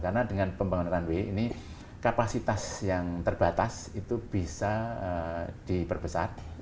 karena dengan pembangunan runway ini kapasitas yang terbatas itu bisa diperbesar